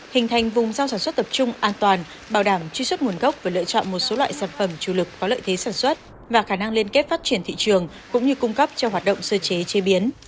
hình thành vùng rau sản xuất tập trung an toàn bảo đảm truy xuất nguồn gốc và lựa chọn một số loại sản phẩm chủ lực có lợi thế sản xuất và khả năng liên kết phát triển thị trường cũng như cung cấp cho hoạt động sơ chế chế biến